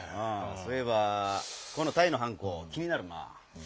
そういえばこのタイのはんこ気になるなぁ。